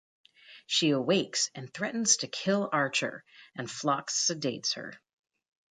She awakes and threatens to kill Archer, and Phlox sedates her.